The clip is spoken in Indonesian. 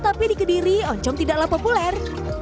tapi di kediri oncom tidaklah populer